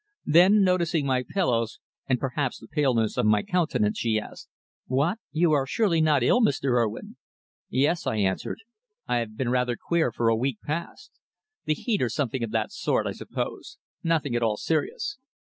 Then, noticing my pillows, and perhaps the paleness of my countenance, she asked. "What? You are surely not ill, Mr. Urwin?" "Yes," I answered. "I've been rather queer for a week past. The heat, or something of that sort, I suppose. Nothing at all serious."